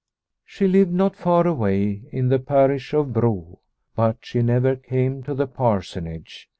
She lived not far away, in the parish of Bro, but she never came to the Parsonage.